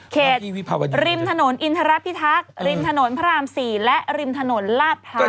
ริมถนนอินทรพิทักษ์ริมถนนพระราม๔และริมถนนลาดพร้าว